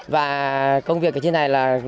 và công việc ở trên này